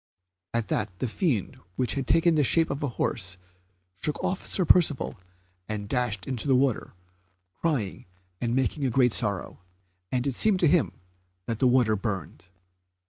At that the fiend which had taken the shape of a horse shook off Sir Percivale and dashed into the water, crying and making great sorrow; and it seemed to him that the water burned.